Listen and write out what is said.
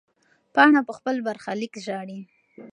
پاڼه په خپل برخلیک ژاړي.